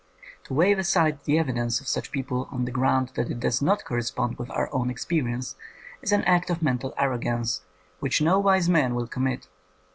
To waive aside the evidence of such people on the ground that it does not correspond with our o^Ti experience is an act of mental arro gance which no wise man will commit.